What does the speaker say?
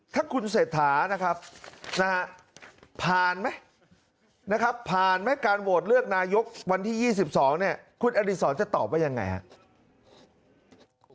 ถ้าคุณเศรษฐานะครับผ่านไหมการโหวดเลือกนายกรรธมนตรีวันที่๒๒คุณอดิษรจะตอบว่าอย่างไรครับ